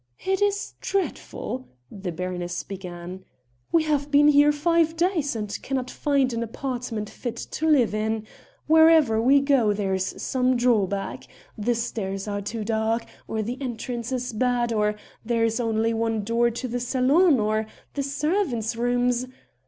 "It is dreadful!" the baroness began, "we have been here five days and cannot find an apartment fit to live in. Wherever we go there is some drawback; the stairs are too dark, or the entrance is bad, or there is only one door to the salon, or the servants' rooms...."